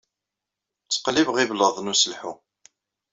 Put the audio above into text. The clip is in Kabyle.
Ttqellibeɣ iblaḍen uselḥu.